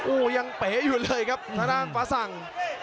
โอ้โหยังเป๋อยู่เลยครับทางด้านฟ้าสั่ง